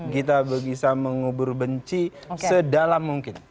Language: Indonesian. kita bisa mengubur benci sedalam mungkin